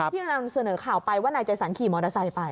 ที่เรานำเสนอข่าวไปว่านายเจสันขี่มอเตอร์ไซค์ไป